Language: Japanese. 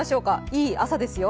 いい朝ですよ。